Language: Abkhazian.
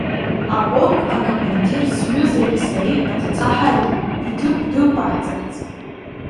Аполк акомандир сҩызаки сареи адҵа ҳаиҭеит иҭыԥ дықәаҳҵарц.